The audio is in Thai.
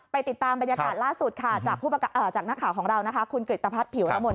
ไปติดตามบรรยากาศล่าสุดจากนักข่าวของเราคุณกริตภัทรผิวละม่วน